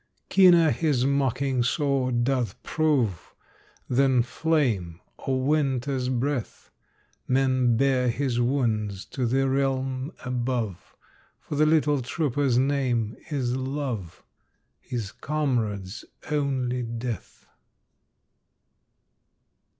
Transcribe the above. Keener his mocking sword doth prove Than flame or winter's breath. Men bear his wounds to the realm above, For the little trooper's name is Love, His comrade's only Death.